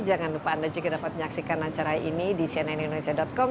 jangan lupa anda juga dapat menyaksikan acara ini di cnnindonesia com